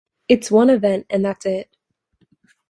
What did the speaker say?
It's one event and that's it.